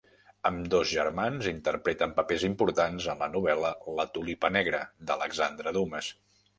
Ambdós germans interpreten papers importants en la novel·la "La Tulipa negra" d'Alexandre Dumas.